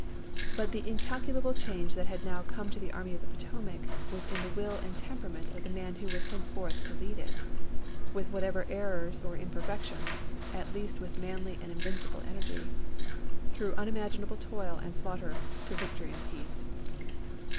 But the incalculable change that had now come to the Army of the Potomac was in the will and temperament of the man who was henceforth to lead it — with whatever errors or imperfections, at least with manly and invincible energy — through unimaginable toil and slaughter to victory and peace.